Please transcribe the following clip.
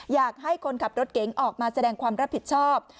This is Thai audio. อยากให้คนขับรถเก๋งออกมาแสดงความรับผิดชอบ